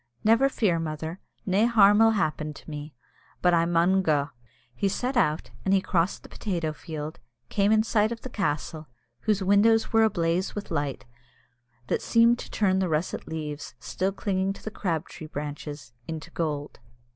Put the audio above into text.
"Never fear, mother; nae harm 'ill happen me, but I maun gae." He set out, and as he crossed the potato field, came in sight of the castle, whose windows were ablaze with light, that seemed to turn the russet leaves, still clinging to the crabtree branches, into gold.